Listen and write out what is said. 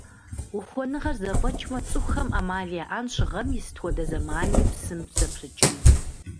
Ухуэныгъэр зэфӀэкӀмэ, цӀыхухэм Ӏэмал яӀэнущ гъэм и сыт хуэдэ зэманми псым зэпрыкӀыну.